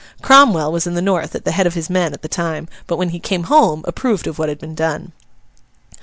Cromwell was in the North, at the head of his men, at the time, but when he came home, approved of what had been done.